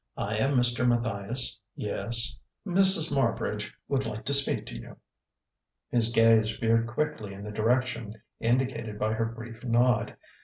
"I am Mr. Matthias yes " "Mrs. Marbridge would like to speak to you." His gaze veered quickly in the direction indicated by her brief nod.